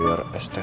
jadi udah